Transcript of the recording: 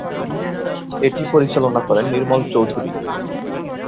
এটি পরিচালনা করেন নির্মল চৌধুরী।